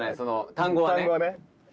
単語はね。